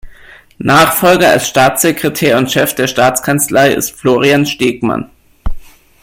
Nachfolger als Staatssekretär und Chef der Staatskanzlei ist Florian Stegmann.